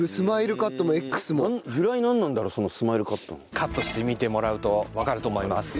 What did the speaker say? カットしてみてもらうとわかると思います。